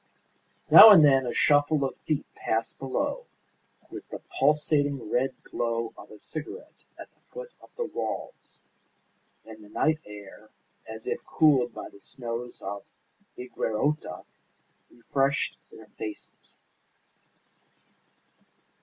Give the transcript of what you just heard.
Now and then a shuffle of feet passed below with the pulsating red glow of a cigarette at the foot of the walls; and the night air, as if cooled by the snows of Higuerota, refreshed their faces.